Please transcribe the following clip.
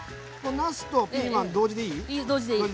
なすとピーマン同時でいい？